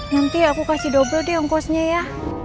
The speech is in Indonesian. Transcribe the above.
nanti aku kasih double deh ongkosnya ya